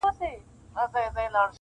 • څارنوال ته سو معلوم اصلیت د وروره..